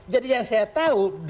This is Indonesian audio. jadi yang saya tahu